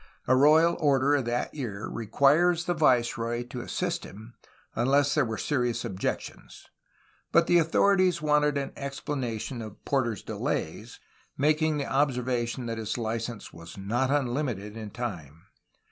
A royal order of that year required the viceroy to assist him unless there were SEA APPROACHES FROM NEW SPAIN TO CALIFORNIA 167 serious objections, but the authorities wanted an explana tion of Porter's delays, making the observation that his license was not unlimited in time.